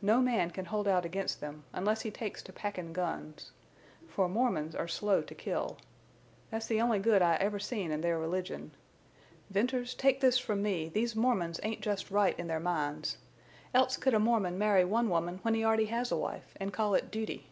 No man can hold out against them, unless he takes to packin' guns. For Mormons are slow to kill. That's the only good I ever seen in their religion. Venters, take this from me, these Mormons ain't just right in their minds. Else could a Mormon marry one woman when he already has a wife, an' call it duty?"